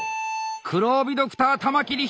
黒帯ドクター玉木理仁